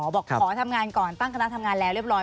บอกขอทำงานก่อนตั้งคณะทำงานแล้วเรียบร้อ